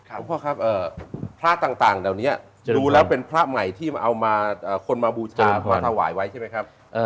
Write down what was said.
พ่อครับพระต่างเหล่านี้ดูแล้วเป็นพระใหม่ที่เอามาคนมาบูชามาถวายไว้ใช่ไหมครับ